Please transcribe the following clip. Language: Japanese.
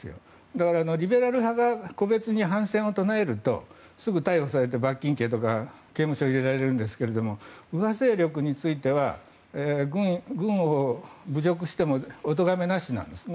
だから、リベラル派が個別に反戦を唱えるとすぐ逮捕されて罰金刑とか刑務所に入れられるんですが右派勢力については軍を侮辱してもおとがめなしなんです。